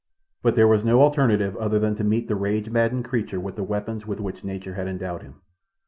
But there was no alternative other than to meet the rage maddened creature with the weapons with which nature had endowed him.